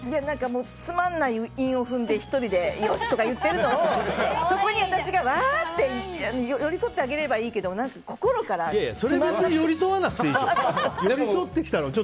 つまんない韻を踏んで１人で、よし！とか言ってるのをそこに私が、わーって寄り添ってあげればいいけどそれは別に寄り添わなくていいでしょ。